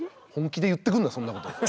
本気で言ってくんなそんなこと。